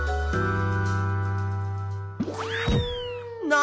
何？